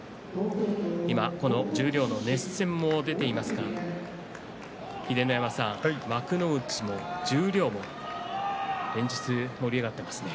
十両の熱戦を映像で見ていますが秀ノ山さん幕内も、十両も連日盛り上がっていますね。